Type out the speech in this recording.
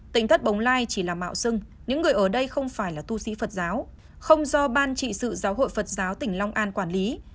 tỉnh thất bồng lai chỉ là mạo sưng những người ở đây không phải là tu sĩ phật giáo không do ban trị sự giáo hội phật giáo tỉnh long an quản lý